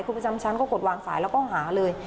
คุณประจำชั้นก็กดวางสายแล้วก็หาเลย